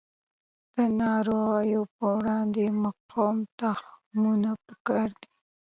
د ناروغیو په وړاندې مقاوم تخمونه پکار دي.